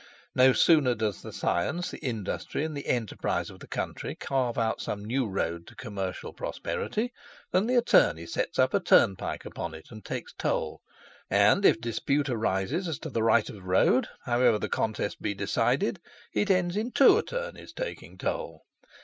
No sooner does the science, the industry, and the enterprise of the country carve out some new road to commercial prosperity, than the attorney sets up a turnpike upon it and takes toll; and, if dispute arises as to the right of road, however the contest be decided, it ends in two attornies taking toll.